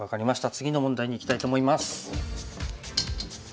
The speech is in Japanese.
次の問題にいきたいと思います。